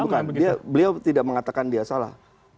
bukan beliau tidak mengatakan dia salah